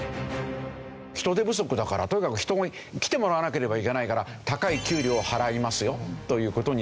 人手不足だからとにかく人に来てもらわなければいけないから高い給料を払いますよという事になってくる。